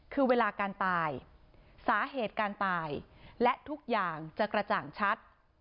คือเวลาการตายสาเหตุการตายและทุกอย่างจะกระจ่างชัด